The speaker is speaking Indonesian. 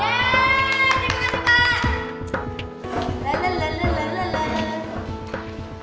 yeay terima kasih pak